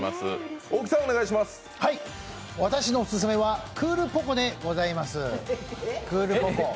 私のオススメはクールポコでございます。